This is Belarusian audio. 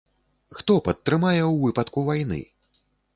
Хто падтрымае ў выпадку вайны?